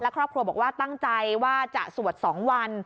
ครอบครัวบอกว่าตั้งใจว่าจะสวด๒วัน